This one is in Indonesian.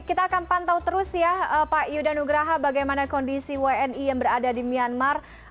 kita akan pantau terus ya pak yudha nugraha bagaimana kondisi wni yang berada di myanmar